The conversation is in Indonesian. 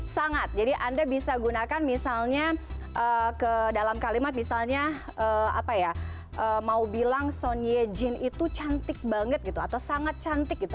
sangat jadi anda bisa gunakan misalnya ke dalam kalimat misalnya apa ya mau bilang son yejine itu cantik banget gitu atau sangat cantik gitu